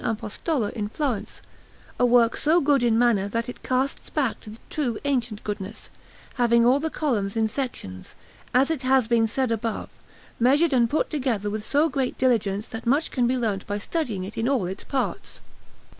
Apostolo in Florence, a work so good in manner that it casts back to the true ancient goodness, having all the columns in sections, as it has been said above, measured and put together with so great diligence that much can be learnt by studying it in all its parts.